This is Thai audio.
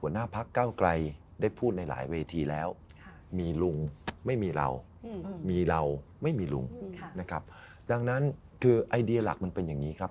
หัวหน้าพักเก้าไกลได้พูดในหลายเวทีแล้วมีลุงไม่มีเรามีเราไม่มีลุงนะครับดังนั้นคือไอเดียหลักมันเป็นอย่างนี้ครับ